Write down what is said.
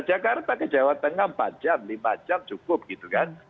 jakarta ke jawa tengah empat jam lima jam cukup gitu kan